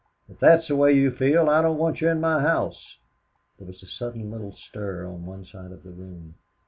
If that's the way you feel, I don't want you in my house." There was a sudden little stir on one side of the room.